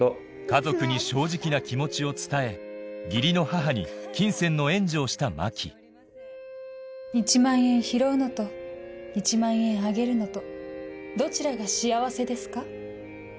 家族に正直な気持ちを伝え義理の母に金銭の援助をした真希１万円拾うのと１万円あげるのとどちらが幸せですか？